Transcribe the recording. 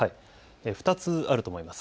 ２つあると思います。